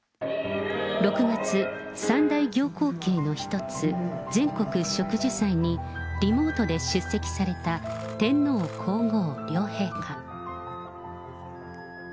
６月、三大行幸啓の一つ、全国植樹祭にリモートで出席された天皇皇后両陛下。